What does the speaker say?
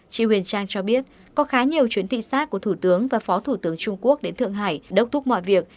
chi huyền trang cho biết có khá nhiều chuyến thị sát của thủ tướng và phó thủ tướng trung quốc đến thượng hải đốc thúc mọi việc